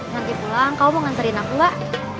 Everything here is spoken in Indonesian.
nanti pulang kamu mau nganterin aku gak